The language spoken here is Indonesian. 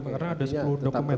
karena ada sepuluh dokumen